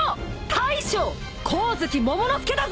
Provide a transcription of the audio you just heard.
大将光月モモの助だぞ！